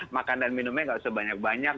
makan dan minumnya nggak usah banyak banyak